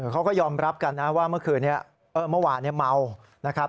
เขาก็ยอมรับกันนะว่าเมื่อคืนนี้เมื่อวานเมานะครับ